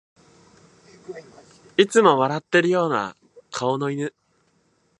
いつも笑ってるような顔の犬